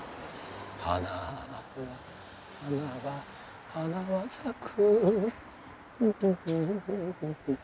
「花は花は花は咲く」